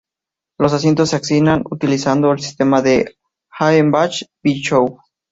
Los asientos se asignan utilizando el sistema Hagenbach-Bischoff.